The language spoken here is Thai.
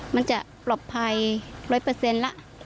มันจะปลอดภัย๑๐๐ละ